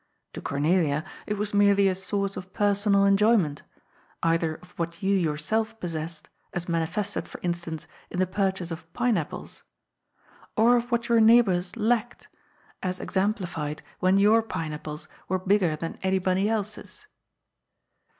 To Cornelia it was merely a source of personal en joyment — either of what you yourself possessed, as mani fested, for instance, in the purchase of pine apples — or of what your neighbours lacked, as exemplified when your pine apples were bigger than anybody else's.